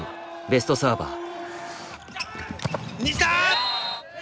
ベストサーバー。